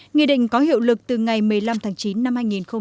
nghị định có hiệu lực từ ngày một mươi năm tháng chín năm hai nghìn một mươi tám